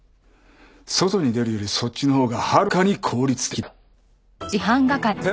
外に出るよりそっちのほうがはるかに効率的だ。